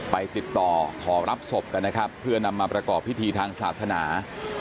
ติดต่อขอรับศพกันนะครับเพื่อนำมาประกอบพิธีทางศาสนา